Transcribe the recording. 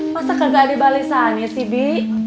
masa kagak ada balesannya sih bi